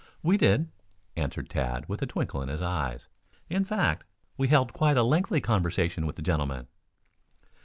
"We did," answered Tad with a twinkle in his eyes. "In fact we held quite a lengthy conversation with the gentleman."